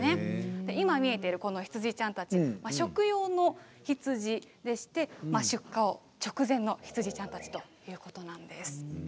今、見えている羊ちゃんたち食用の羊でして出荷直前の羊ちゃんたちということなんです。